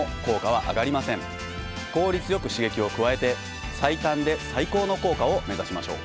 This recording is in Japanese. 効率よく刺激を加えて最短で最高の効果を目指しましょう。